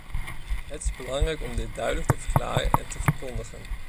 Het is belangrijk om dit duidelijk te verklaren en te verkondigen.